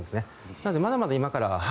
なのでまだまだ今から。